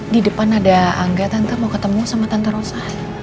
di depan ada angga tanta mau ketemu sama tante rosa